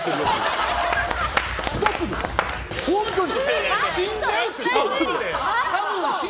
本当に。